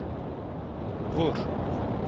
Vur.